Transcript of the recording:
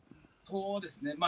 そうですね。